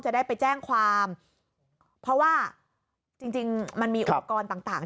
จะได้ไปแจ้งความเพราะว่าจริงจริงมันมีอุปกรณ์ต่าง